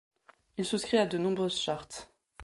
Il souscrit à de nombreuses chartes.